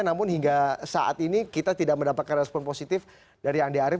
namun hingga saat ini kita tidak mendapatkan respon positif dari andi arief